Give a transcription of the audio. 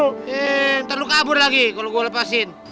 eh ntar lu kabur lagi kalau gua lepasin